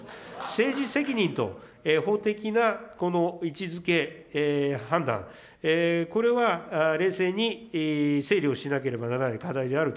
政治責任と法的な位置づけ、判断、これは冷静に整理をしなければな